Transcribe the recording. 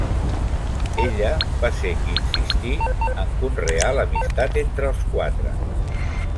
Ella va ser qui insistí en conrear l’amistat entre els quatre.